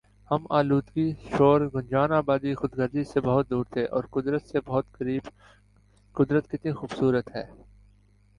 ہم آلودگی شور گنجان آبادی خود غرضی سے بہت دور تھے اور قدرت سے بہت قریب قدرت کتنی خوب صورت ہے